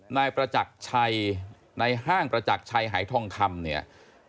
นายประจักรชัยในห้างประจักรชัยหายทองคำเนี่ย